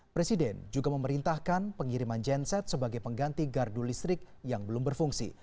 presiden juga memerintahkan pengiriman genset sebagai pengganti gardu listrik yang belum berfungsi